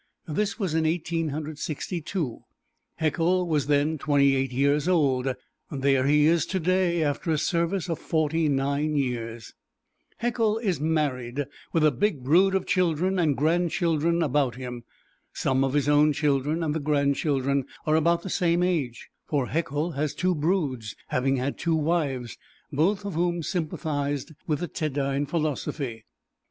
This was in Eighteen Hundred Sixty two; Haeckel was then twenty eight years old; there he is today, after a service of forty nine years. Haeckel is married, with a big brood of children and grandchildren about him. Some of his own children and the grandchildren are about the same age, for Haeckel has two broods, having had two wives, both of whom sympathized with the Teddine philosophy.